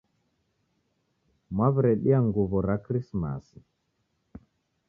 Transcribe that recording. Mwaw'iredia nguw'o ra Krismasi?